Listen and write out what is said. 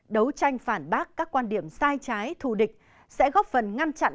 đấu tranh phản bác các quan điểm sai trái thù địch sẽ góp phần ngăn chặn